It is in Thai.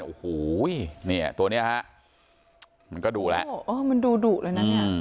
โอ้โหตัวนี้ฮะมันก็ดุแล้วมันดูดุเลยนะ